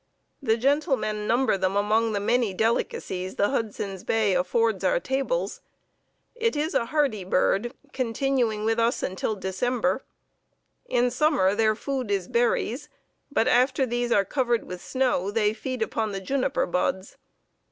The gentlemen number them among the many delicacies the Hudson's Bay affords our tables. It is a hardy bird, continuing with us until December. In summer their food is berries, but after these are covered with snow, they feed upon the juniper buds.